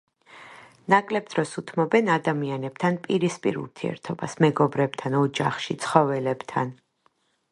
ნაკლებ დროს უთმობენ ადამიანებთან პირისპირ ურთიერთობას, მეგობრებთან, ოჯახში, ცხოველებთან.